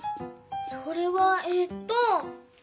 それはええっと。